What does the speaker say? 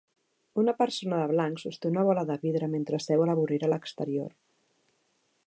Una persona de blanc sosté una bola de vidre mentre seu a la vorera a l'exterior.